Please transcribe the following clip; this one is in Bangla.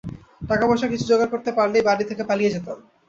টাকা পয়সা কিছু জোগাড় করতে পারলেই বাড়ি থেকে পালিয়ে যেতাম।